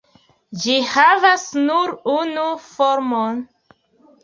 Ĝi havas nur unu formon.